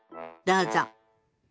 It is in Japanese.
どうぞ。